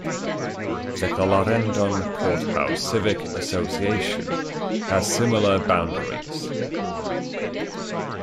The Clarendon-Courthouse Civic Association has similar boundaries.